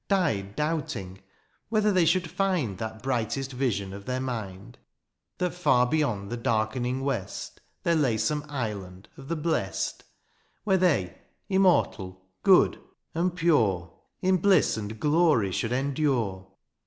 Died doubting, whether they should find " That brightest vision of their mind — '^That far beyond the. darkening west " There lay some island of the blest, '^ Where they, immortal, good, and pure, " In bliss and glory should endure.